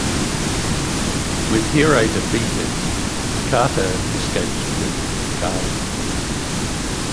With Hirai defeated, Kato escapes with Yukari.